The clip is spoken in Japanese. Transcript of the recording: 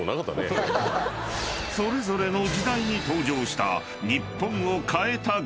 ［それぞれの時代に登場した］